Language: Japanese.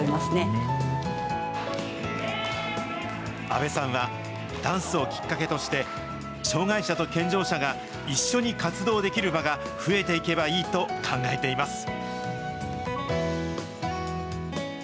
阿部さんは、ダンスをきっかけとして、障害者と健常者が一緒に活動できる場が、増えていけばいいと考えています。